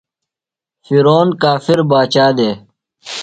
فِرعون کافر باچا دےۡ۔